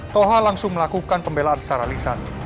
toha langsung melakukan pembelaan secara lisan